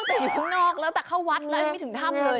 นอนตั้งแต่อยู่ข้างนอกแล้วตัดเข้าวัดแล้วไม่ถึงธรรมเลย